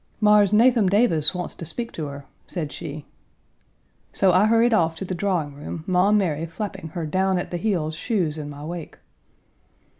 "Mars Nathum Davis wants to speak to her," said she. So I hurried off to the drawing room, Maum Mary flapping her down at the heels shoes in my wake.